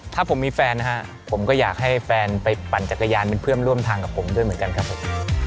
ถ้าผมมีแฟนนะฮะผมก็อยากให้แฟนไปปั่นจักรยานเป็นเพื่อนร่วมทางกับผมด้วยเหมือนกันครับผม